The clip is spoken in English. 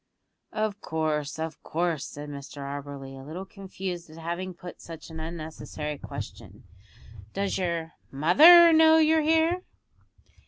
"Of course, of course," said Mr Auberly, a little confused at having put such an unnecessary question. "Does your mother know you're here?"